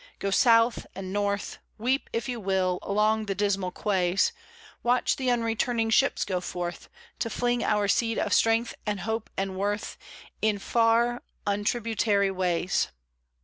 Go South and North; Weep, if you will, along the dismal quays, Watching the unreturning ships go forth To fling our seed of strength and hope and worth In far, untributary ways.